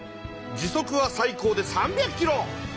時速は最高で３００キロ。